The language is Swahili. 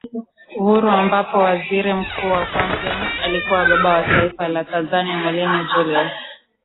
uhuru ambapo Waziri Mkuu wa kwanza alikuwa Baba wa Taifa la Tanzania Mwalimu Julius